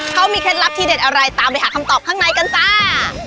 เขามีเคล็ดลับทีเด็ดอะไรตามไปหาคำตอบข้างในกันจ้า